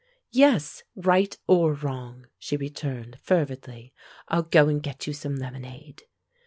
"Yes, right or wrong!" she returned fervidly. "I'll go and get you some lemonade."